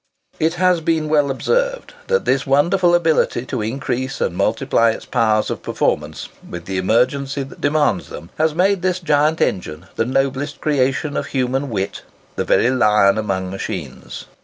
It has been well observed, that this wonderful ability to increase and multiply its powers of performance with the emergency that demands them, has made this giant engine the noblest creation of human wit, the very lion among machines.